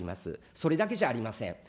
それだけじゃありません。